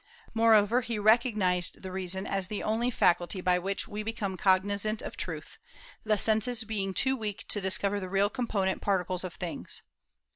Moreover, he recognized the reason as the only faculty by which we become cognizant of truth, the senses being too weak to discover the real component particles of things.